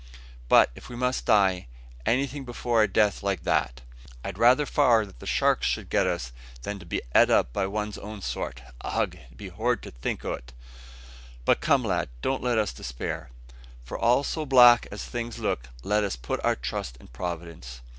But if we must die, anything before a death like that. I'd rather far that the sharks should get us than to be eat up by one's own sort. Ugh! it be horrid to think o't. But come, lad, don't let us despair. For all so black as things look, let us put our trust in Providence.